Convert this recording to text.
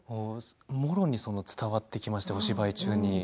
もろに伝わってきましたお芝居中に。